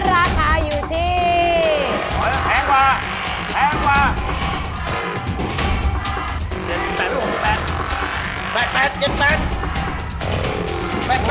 ห้าสิบแปดคือแบ๊บบายกลับไปกินคั่วกิ้งเลยนะพี่บ่าวีนะ